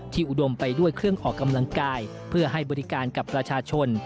อุดมไปด้วยเครื่องออกกำลังกายเพื่อให้บริการกับประชาชน